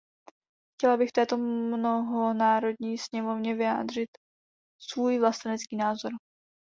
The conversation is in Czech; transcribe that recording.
Chtěla bych v této mnohonárodní sněmovně vyjádřit svůj vlastenecký názor.